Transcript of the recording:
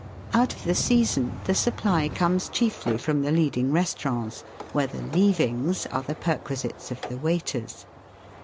Out of the season the supply comes chiefly from the leading restaurants, where the " leavings " are the perquisites of the waiters.